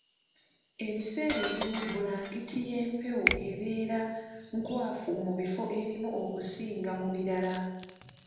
Ebiseera ebimu bbulangiti y'empewo eba nkwafu mu bifo ebimu okusinga mu birala